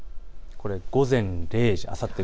これは午前０時。